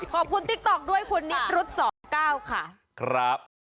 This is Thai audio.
ขอบคุณติ๊กต๊อกด้วยคุณนิดรุ่น๒๙ค่ะ